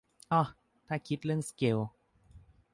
เอ้อ ถ้าคิดเรื่องสเกล